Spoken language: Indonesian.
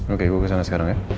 oke ibu kesana sekarang ya